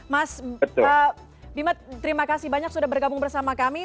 mas bima terima kasih banyak sudah bergabung bersama kami